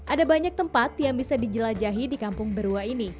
ada banyak tempat yang bisa dijelajahi di kampung berwa ini